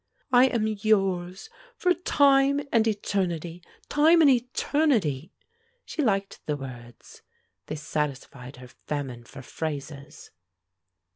"I am yours, for time and eternity time and eternity." She liked the words; they satisfied her famine for phrases.